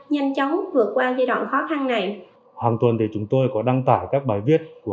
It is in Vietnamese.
nhanh chóng vượt qua giai đoạn khó khăn này hàng tuần thì chúng tôi có đăng tải các bài viết của